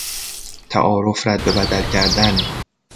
تعارف رد و بدل کردن